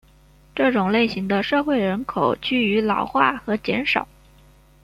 这种类型的社会人口趋于老化和减少。